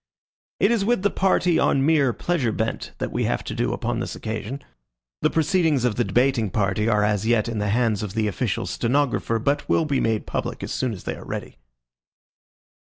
It is with the party on mere pleasure bent that we have to do upon this occasion. The proceedings of the debating party are as yet in the hands of the official stenographer, but will be made public as soon as they are ready.